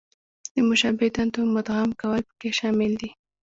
د مشابه دندو مدغم کول پکې شامل دي.